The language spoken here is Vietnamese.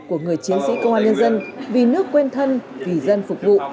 của người chiến sĩ công an nhân dân vì nước quên thân vì dân phục vụ